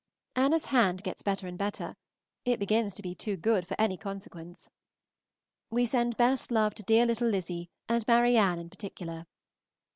Anna's hand gets better and better; it begins to be too good for any consequence. We send best love to dear little Lizzy and Marianne in particular.